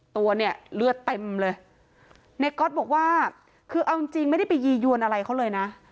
ตัวเนี่ยเลือดเต็มเลยในก๊อตบอกว่าคือเอาจริงจริงไม่ได้ไปยียวนอะไรเขาเลยนะ